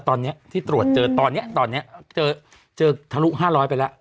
ตอนเนี้ยที่ตรวจเจอตอนเนี้ยตอนเนี้ยเจอเจอทะลุห้าร้อยไปแล้ว